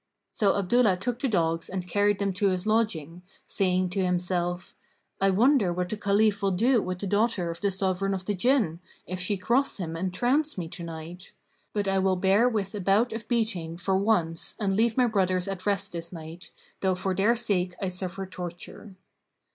So Abdullah took the dogs and carried them to his lodging, saying to himself, "I wonder what the Caliph will do with the daughter of the Sovran of the Jinn, if she cross him and trounce me to night! But I will bear with a bout of beating for once and leave my brothers at rest this night, though for their sake I suffer torture."